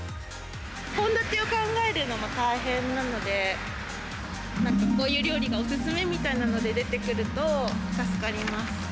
献立を考えるのも大変なので、なんかこういう料理がお勧めみたいなので出てくると助かります。